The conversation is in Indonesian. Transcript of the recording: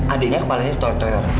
adeknya kepalanya itu tolok tolok